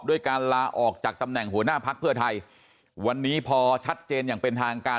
การลาออกจากตำแหน่งหัวหน้าพักเพื่อไทยวันนี้พอชัดเจนอย่างเป็นทางการ